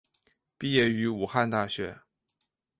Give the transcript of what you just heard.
毕业于武汉大学。